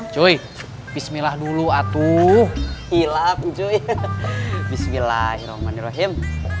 cuy bismillah dulu atuh hilang cuy bismillahirrohmanirrohim